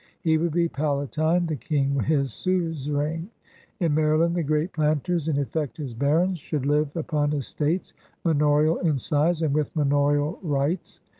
He would be Palatine, the King his suzerain. In Maryland the great planters, in effect his barons, should live upon estates, manorial in size and with manorial rights.